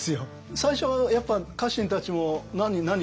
最初はやっぱ家臣たちも「なになに？